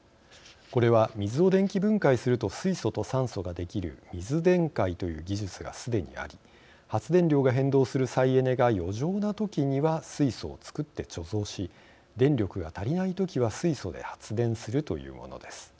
これは、水を電気分解すると水素と酸素ができる水電解という技術が、すでにあり発電量が変動する再エネが余剰な時には水素を作って貯蔵し電力が足りない時は水素で発電するというものです。